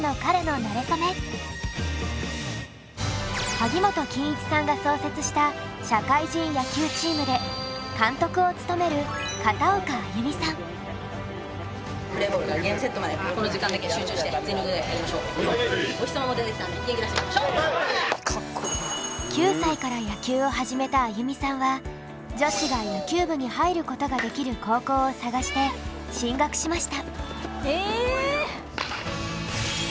萩本欽一さんが創設した社会人野球チームで監督を務めるお日さまも出てきたので９歳から野球を始めた安祐美さんは女子が野球部に入ることができる高校を探して進学しました。